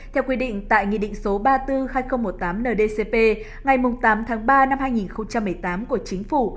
theo quy định tại nghị định số ba trăm bốn mươi hai nghìn một mươi tám ndcp ngày tám tháng ba năm hai nghìn một mươi tám của chính phủ